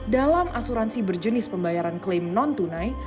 dalam asuransi berjenis pembayaran klaim non tunai